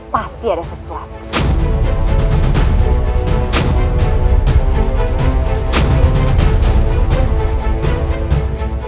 pasti ada sesuatu